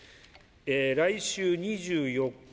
来週２４日